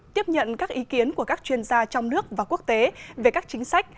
tiếp nhận các ý kiến của các chuyên gia trong nước và quốc tế về các chính sách